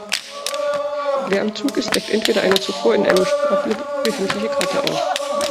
Wer am Zug ist, deckt entweder eine zuvor in einem Stapel befindliche Karte auf.